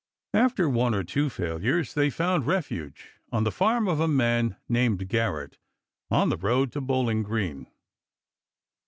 After one or two failures they found refuge on the farm of a man named Garrett on the road to Bowling Green.